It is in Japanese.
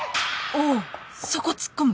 おおそこ突っ込む！？